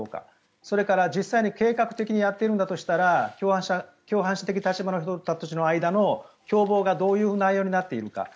それから実際に計画的にやっていたんだとしたら共犯者的立場の人たちの間の共謀がどういう内容になっているか。